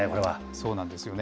そうなんですよね。